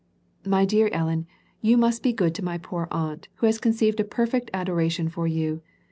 My dear Ellen, you must be good to my poor aunt, who .^ j'onceived a perfect adoration for you.